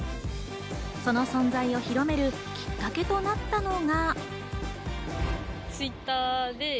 その存在を広めるきっかけとなったのが。